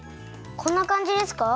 こんなかんじですか？